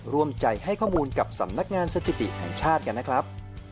ร่วมใจให้ข้อมูลกับสำนักงานสถิติแห่งชาติกันนะครับ